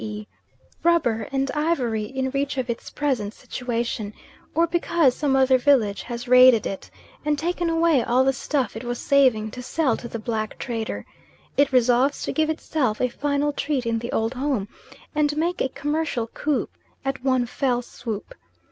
e. rubber and ivory in reach of its present situation; or because some other village has raided it, and taken away all the stuff it was saving to sell to the black trader; it resolves to give itself a final treat in the old home, and make a commercial coup at one fell swoop.